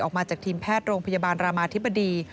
ออกมาจากทีมแพทย์โรงพยาบาลรามาธิบดี